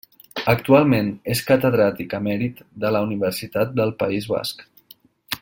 Actualment és catedràtic emèrit de la Universitat del País Basc.